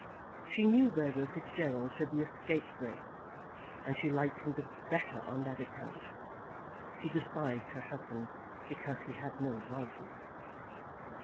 She knew Burgo Fitzgerald to be a scapegrace, and she liked him the better on that account. She despised her husband because he had no vices.